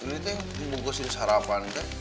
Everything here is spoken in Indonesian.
ini tuh yang bungkus sarapan kan